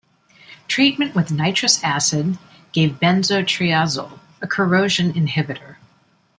Treatment with nitrous acid give benzotriazole, a corrosion inhibitor.